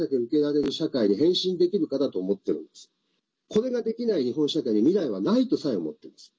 これができない日本社会に未来はないとさえ思っています。